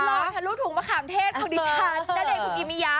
รอทะลุถุงมะขามเทศของดิฉันณเดชนคุกิมิยะ